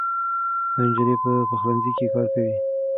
دا نجلۍ په پخلنځي کې کار کوي.